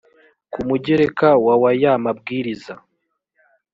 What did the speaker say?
ku mugereka wa w aya mabwiriza